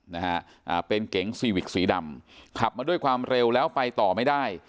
นะฮะอ่าเป็นเก๋งซีวิกสีดำขับมาด้วยความเร็วแล้วไปต่อไม่ได้